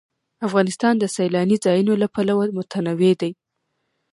افغانستان د سیلانی ځایونه له پلوه متنوع دی.